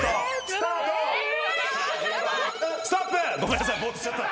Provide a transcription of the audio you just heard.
ストップ！